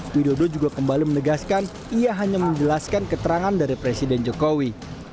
widodo juga kembali menegaskan ia hanya menjelaskan keterangan dari presiden jokowi